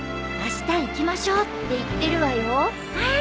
「あした行きましょう」って言ってるわよ。